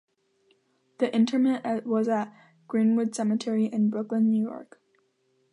The interment was at Green-Wood Cemetery, in Brooklyn, New York.